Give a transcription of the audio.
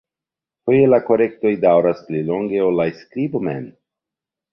Foje la korektoj daŭras pli longe ol la skribo mem.